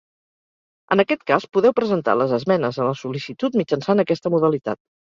En aquest cas, podeu presentar les esmenes a la sol·licitud mitjançant aquesta modalitat.